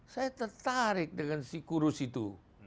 saya tertarik dengan si kurus itu